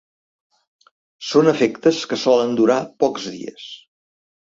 Són efectes que solen durar pocs dies.